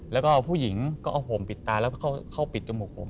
แล้วก็ผู้หญิงก็เอาห่มปิดตาแล้วก็เข้าปิดจมูกผม